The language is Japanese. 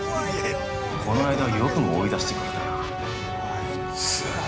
この間はよくも追い出してくれたな。